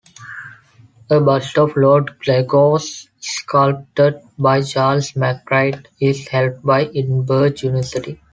A bust of Lord Glencorse, sculpted by Charles McBride, is held by Edinburgh University.